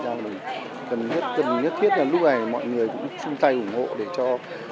thực ra là gần nhất thiết là lúc này mọi người cũng chung tay ủng hộ để cho